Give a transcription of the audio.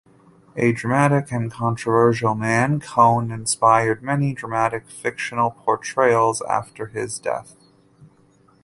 A dramatic and controversial man, Cohn inspired many dramatic fictional portrayals after his death.